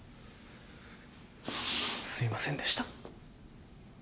すいませんでした。